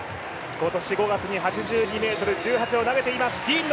今年５月に８２ｍ１８を投げています。